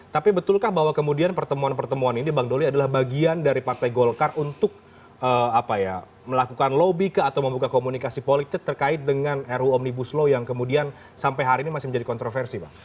tapi betulkah bahwa kemudian pertemuan pertemuan ini bang doli adalah bagian dari partai golkar untuk melakukan lobby atau membuka komunikasi politik terkait dengan ru omnibus law yang kemudian sampai hari ini masih menjadi kontroversi pak